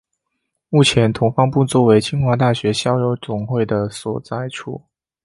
目前同方部作为清华大学校友总会的所在处。